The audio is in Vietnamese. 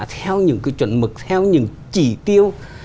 theo những cái chuẩn mực theo những chỉ tiêu